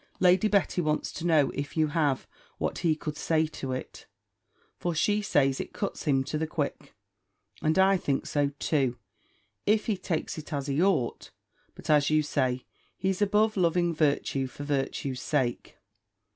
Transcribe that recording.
Lady Betty wants to know (if you have) what he could say to it? For, she says, it cuts him to the quick. And I think so too, if he takes it as he ought: but, as you say, he's above loving virtue for virtue's sake.